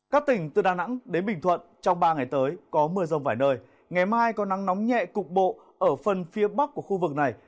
các tỉnh từ đà nẵng đến bình thuận trong ba ngày tới có mưa rông vài nơi ngày mai có nắng nóng nhẹ cục bộ ở phần phía bắc của khu vực này